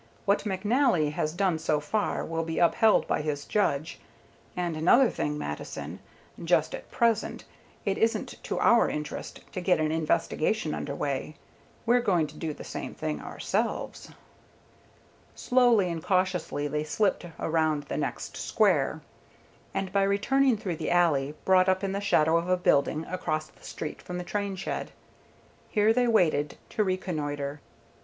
What McNally has done so far will be upheld by his judge. And another thing, Mattison; just at present, it isn't to our interest to get an investigation under way. We're going to do the same thing ourselves." Slowly and cautiously they slipped around the next square, and, by returning through the alley, brought up in the shadow of a building, across the street from the train shed. Here they waited to reconnoitre.